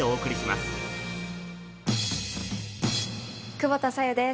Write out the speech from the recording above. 久保田紗友です